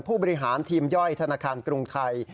ผู้บริหารทีมย่อยธนาคารกรุงไทย